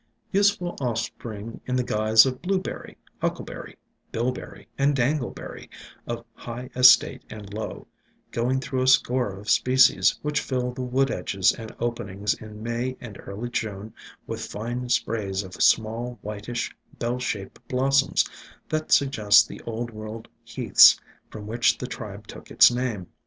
Useful offspring in the guise of Blueberry, Huckleberry, Bilberry and Dangleberry, of high estate and low, going through a score of species, IN SILENT WOODS IOI which fill the wood edges and openings in May and early June with fine sprays of small, whitish, bell shaped blossoms that suggest the old world Heaths from which the tribe took its name.